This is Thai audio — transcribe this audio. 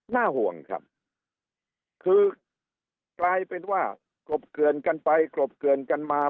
น่าห่วงครับคือกลายเป็นว่ากลบเกลือนกันไปกรบเกลือนกันมา